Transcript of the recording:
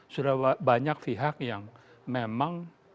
sudah banyak pihak yang memang